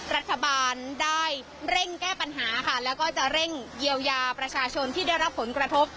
รัฐบาลได้เร่งแก้ปัญหาค่ะแล้วก็จะเร่งเยียวยาประชาชนที่ได้รับผลกระทบ